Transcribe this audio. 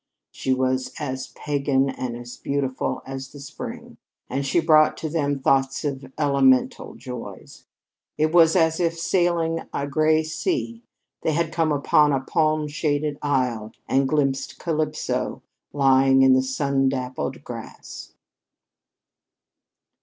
She was as pagan and as beautiful as the spring, and she brought to them thoughts of elemental joys. It was as if, sailing a gray sea, they had come upon a palm shaded isle, and glimpsed Calypso lying on the sun dappled grass.